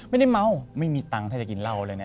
ไม่ได้เมาไม่มีตังค์ถ้าจะกินเหล้าเลยนะ